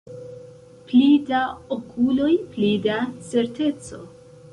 Pli da okuloj, pli da certeco.